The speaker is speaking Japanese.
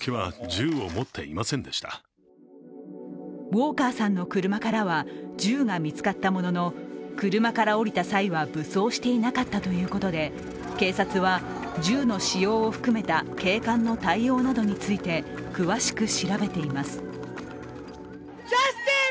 ウォーカーさんの車からは銃が見つかったものの車から降りた際は武装していなかったということで警察は、銃の使用を含めた警官の対応などについて詳しく調べています。